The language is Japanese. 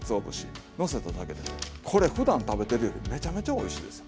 これふだん食べてるよりめちゃめちゃおいしいですよ。